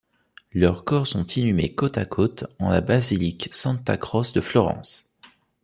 Leurs corps sont inhumés côte à côte en la basilique Santa Croce de Florence.